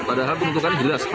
padahal penentukan jelas